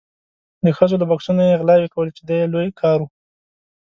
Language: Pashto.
د ښځو له بکسونو یې غلاوې کولې چې دا یې لوی کار و.